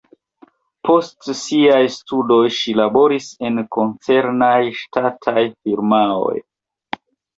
Post siaj studoj ŝi laboris en koncernaj ŝtataj firmaoj.